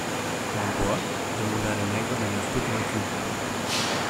En bois? demanda le nègre d’un air peu convaincu.